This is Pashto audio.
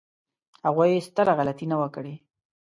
هغوی ستره غلطي نه وه کړې.